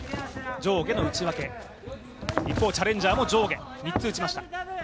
上下の打ち分け、一方チャレンジャーも上下３つ打ちました。